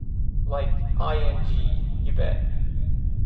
Like i-n-g. You bet.